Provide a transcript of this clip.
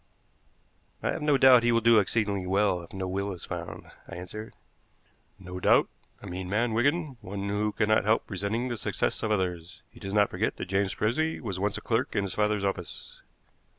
"I have no doubt he will do exceedingly well if no will is found," I answered. "No doubt. A mean man, Wigan, one who cannot help resenting the success of others. He does not forget that James Frisby was once a clerk in his father's office."